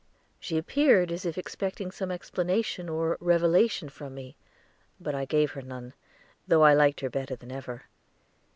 She appeared as if expecting some explanation or revelation from me; but I gave her none, though I liked her better than ever.